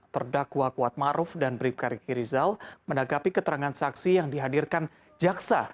terdakwa kuatmaruf dan bribka riki rizal menanggapi keterangan saksi yang dihadirkan jaksa